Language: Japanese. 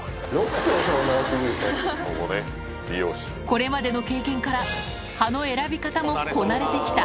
これまでの経験から刃の選び方もこなれて来た